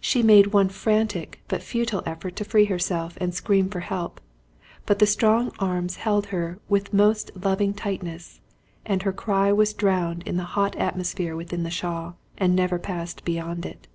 She made one frantic but futile effort to free herself and scream for help, but the strong arms held her with most loving tightness, and her cry was drowned in the hot atmosphere within the shawl, and never passed beyond it.